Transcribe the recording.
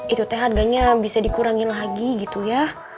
itu teh harganya bisa dikurangin lagi gitu ya